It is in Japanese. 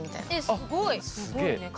すごいね。